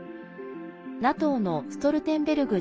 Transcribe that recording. ＮＡＴＯのストルテンベルグ